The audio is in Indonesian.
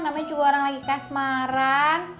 namanya juga orang lagi kasmaran